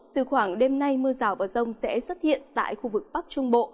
từ khoảng đêm nay mưa rào và rông sẽ xuất hiện tại khu vực bắc trung bộ